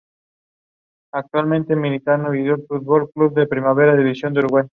Tras una frustrada rebelión de los moriscos, y su posterior expulsión, el pueblo desapareció.